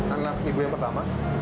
anak ibu yang pertama